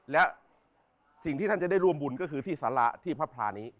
และสิ่งที่ท่านจะได้ร่วมบุญก็คือที่สาระที่พระพลานี้